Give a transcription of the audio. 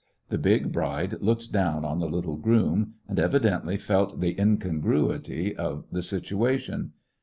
The big bride looked down on the little groom, and evidently felt the in congruity of the situation.